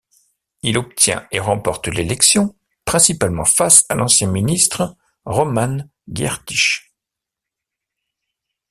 Il obtient et remporte l'élection, principalement face à l'ancien ministre Roman Giertych.